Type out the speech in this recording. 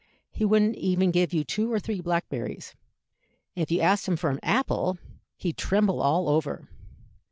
He wouldn't even give you two or three blackberries, and if you asked him for an apple, he'd tremble all over.